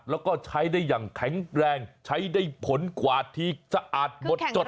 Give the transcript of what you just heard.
แล้วก็ใช้ได้อย่างแข็งแรงใช้ได้ผลกวาดทีสะอาดหมดจด